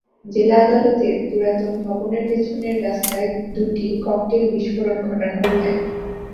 জেলা আদালতের পুরাতন ভবনের পেছনের রাস্তায় দুটি ককটেল বিস্ফোরণ ঘটানো হয়।